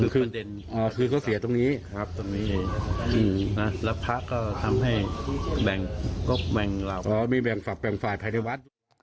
คือเขาเสียตรงนี้แล้วภาคก็ทำให้แบ่งมีแบ่งฝากแบ่งฝ่ายภายในวัฒน์